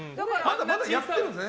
やってるんですね。